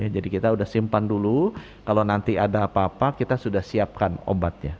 jadi kita sudah simpan dulu kalau nanti ada apa apa kita sudah siapkan obatnya